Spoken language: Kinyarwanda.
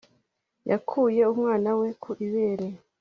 yakuye Umwana we ku ibere